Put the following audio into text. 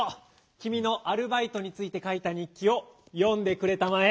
きみのアルバイトについてかいた日記をよんでくれたまえ！